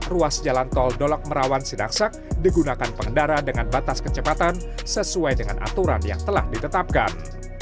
ruas jalan tol dolok merawan sidaksak digunakan pengendara dengan batas kecepatan sesuai dengan aturan yang telah ditetapkan